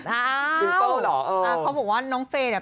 อ้าวสิมเฟิลเหรอเออเขาบอกว่าน้องเฟย์นี่